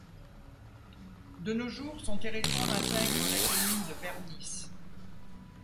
De nos jours, son territoire intègre la commune de Bernisse.